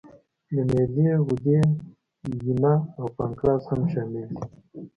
د معدې غدې، ینه او پانکراس هم شامل دي.